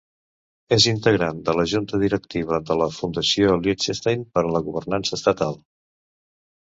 És integrant de la Junta Directiva de la Fundació Liechtenstein per a la Governança estatal.